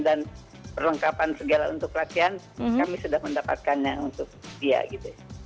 perlengkapan segala untuk latihan kami sudah mendapatkannya untuk dia gitu